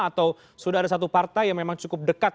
atau sudah ada satu partai yang memang cukup dekat